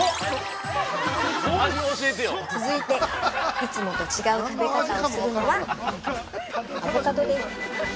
◆続いて、いつもと違う食べ方をするのはアボカドです。